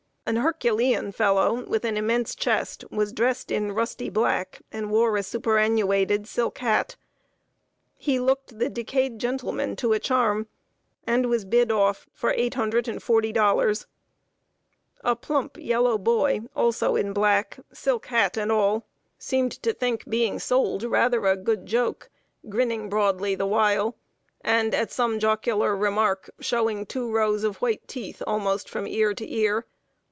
An herculean fellow, with an immense chest, was dressed in rusty black, and wore a superannuated silk hat. He looked the decayed gentleman to a charm, and was bid off for $840. A plump yellow boy, also in black, silk hat and all, seemed to think being sold rather a good joke, grinning broadly the while, and, at some jocular remark, showing two rows of white teeth almost from ear to ear.